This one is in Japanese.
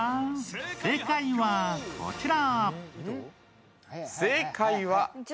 正解はこちら。